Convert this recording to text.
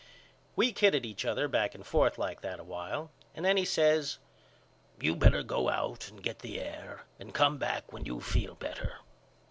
We kidded each other back and forth like that a while and then he says You better go out and get the air and come back when you feel better.